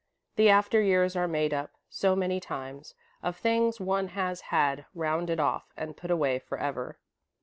The after years are made up, so many times, of things one has had rounded off and put away forever."